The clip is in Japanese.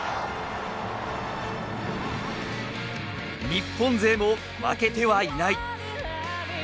日本勢も負けてはいない。